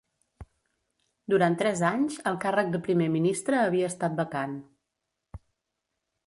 Durant tres anys el càrrec de primer ministre havia estat vacant.